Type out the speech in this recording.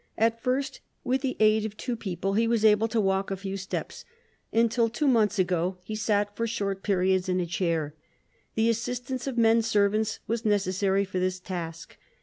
At first, with the aid of two people, he was able to walk a few steps; until two months ago he sat for short periods in a chair. The assistance of men servants was necessary for this task.